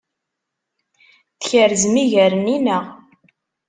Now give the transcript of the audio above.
Tkerzem iger-nni, naɣ?